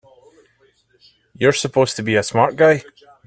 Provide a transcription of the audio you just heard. You're supposed to be a smart guy!